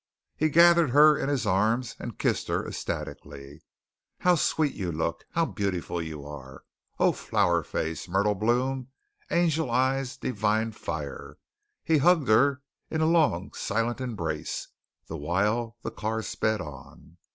He gathered her in his arms and kissed her ecstatically. "How sweet you look. How beautiful you are. Oh, flower face! Myrtle Bloom! Angel Eyes! Divine Fire!" He hugged her in a long silent embrace, the while the car sped on.